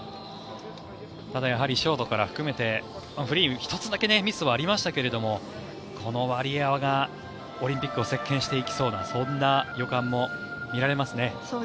ただ、やはりショートから含めてフリーで１つだけミスがありましたけれどこのワリエワがオリンピックを席巻していきそうなそんな予感も見られますね。